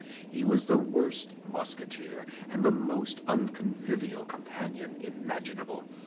He was the worst Musketeer and the most unconvivial companion imaginable.